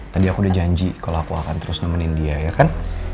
tadi aku udah janji kalau aku akan terus nemenin dia ya kan